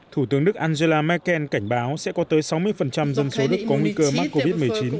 thủ tướng đức angela merkel cảnh báo sẽ có tới sáu mươi dân số đức có nguy cơ mắc covid một mươi chín